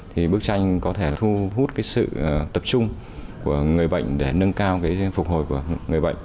thì bức tranh có thể thu hút cái sự tập trung của người bệnh để nâng cao cái phục hồi của người bệnh